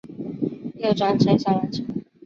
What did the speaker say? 要转乘小缆车